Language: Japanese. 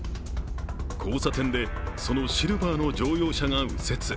交差点でそのシルバーの乗用車が右折。